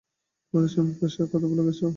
তোমার স্বামীর পেশার কথা ভুলে গেছ?